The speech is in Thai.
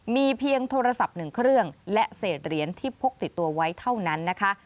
มีเพียงโทรศัพท์หนึ่งเครื่องและเศษเหรียญที่พกติดตัวไว้เท่านั้นนะคะ